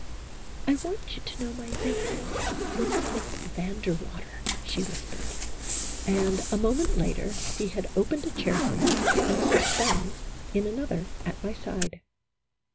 " I want you to know my nephew, Winthrop Van der Water," she whispered, and a moment later he had opened a chair for me, and sat down in another at my side.